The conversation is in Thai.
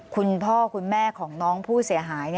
คุณพ่อคุณแม่ของน้องผู้เสียหาย